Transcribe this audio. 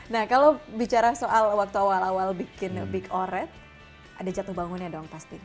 nah kalau bicara soal waktu awal awal bikin big oret ada jatuh bangunnya dong pasti